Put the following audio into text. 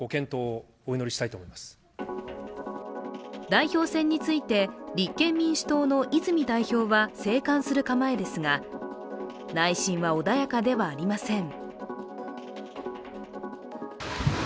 代表選について立憲民主党の泉代表は、静観する構えですが、内心は穏やかではありません。